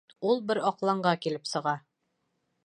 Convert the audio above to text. Ул бер аҡланға килеп сыға.